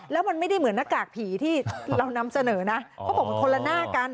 แล้วมันไม่ได้เหมือนหน้ากากผีที่เรานำเสนอนะเขาบอกมันคนละหน้ากัน